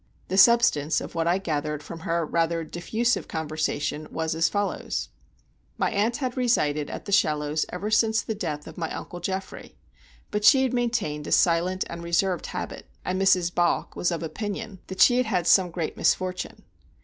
The substance of what I gathered from her rather diffusive conversation was as follows: My aunt had resided at The Shallows ever since the death of my uncle Geoffrey, but she had maintained a silent and reserved habit; and Mrs. Balk was of opinion that she had had some great misfortune.